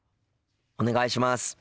お願いします！